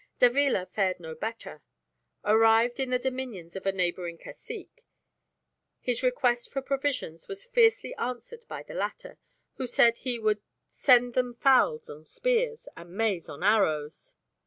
Davila fared no better. Arrived in the dominions of a neighbouring cacique, his request for provisions was fiercely answered by the latter, who said he "would send them fowls on spears, and maize on arrows."